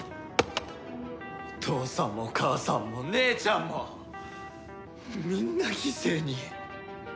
父さんも母さんも姉ちゃんもみんな犠牲に！